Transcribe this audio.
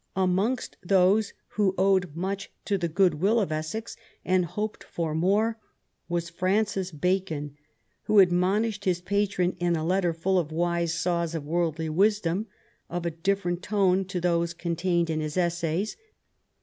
Amongst those who owed much to the goodwill of Essex, and hoped for more, was Francis Bacon, who admonished his patron in a letter full of wise saws of worldly wisdom, of a different tone to those contained in his Essays.